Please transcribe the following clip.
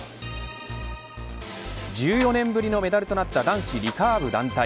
１４年ぶりのメダルとなった男子リカーブ団体。